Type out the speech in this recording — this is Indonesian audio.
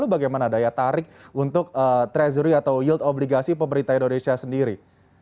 bagaimana daya tarik untuk treasury atau yield obligasi pemerintah indonesia sendiri